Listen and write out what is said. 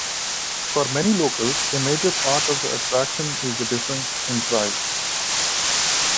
For many locals, a major part of the attraction is the difference in price.